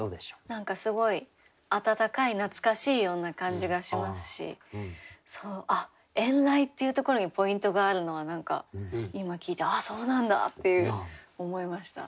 何かすごい温かい懐かしいような感じがしますし「遠雷」っていうところにポイントがあるのは何か今聞いてあっそうなんだって思いました。